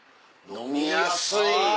飲みやす！